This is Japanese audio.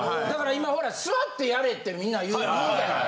今座ってやれってみんな言うじゃない。